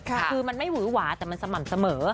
คือมันไม่หวือหวาแต่มันสม่ำเสมอ